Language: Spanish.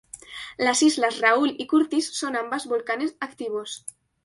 Las islas Raoul y Curtis son ambas volcanes activos.